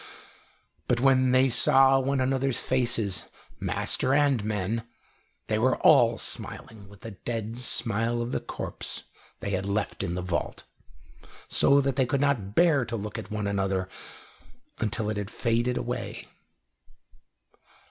But when they saw one another's faces, master and men, they were all smiling with the dead smile of the corpse they had left in the vault, so that they could not bear to look at one another until it had faded away.